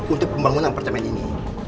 untuk pembangunan apartemen ini